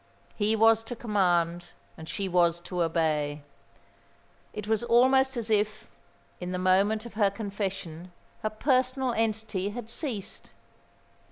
He was to command, and she was to obey. It was almost as if, in the moment of her confession, her personal entity had ceased.